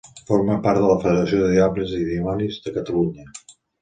Forma part de la Federació de Diables i Dimonis de Catalunya.